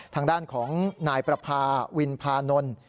ทางด้านของนายประพาวินพานนท์